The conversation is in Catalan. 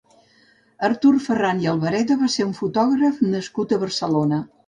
Artur Ferran i Albareda va ser un fotògraf nascut a Barcelona.